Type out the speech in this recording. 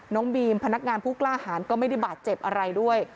น้องบีมพนักงานผู้กล้าหารก็ไม่ได้บาดเจ็บอะไรด้วย